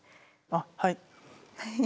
あっはい。